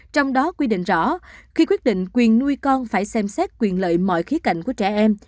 trong đó quy định rõ khi quyết định quyền nuôi con phải xem xét quyền lợi mọi khía cạnh của trẻ em